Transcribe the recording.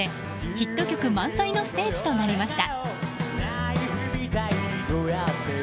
ヒット曲満載のステージとなりました。